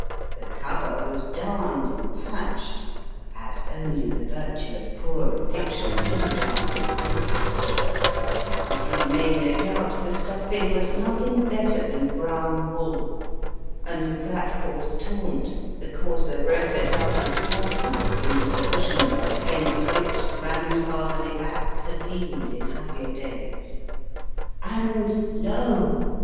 The cover was darned and patched as only the virtuous poor of fiction do darn and do patch and he made no doubt the stuffing was nothing better than brown wool ; and with that coarse taunt the coarser broker dug his clasp knife into the cushion against which grandfatherly backs had leaned in happier days, and lo